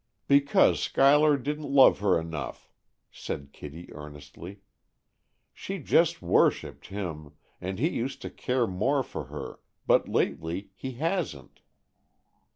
"Because Schuyler didn't love her enough," said Kitty earnestly. "She just worshipped him, and he used to care more for her, but lately he hasn't."